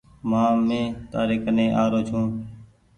مآ مين تيآري ڪني آرو ڇون۔